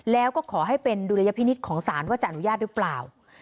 แล้วก็ขอให้เป็นดุลยพินิษฐ์ของศาลว่าจะอนุญาตหรือเปล่า